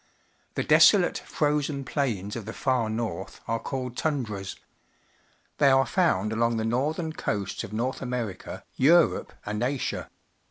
The de.soIate, frozen plains of the far north are called tundras. They are found along the northern coasts of North .\merica, Europe, and Asia.